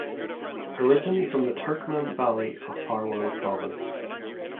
Originally from the Turkman Valley of Parwan Province.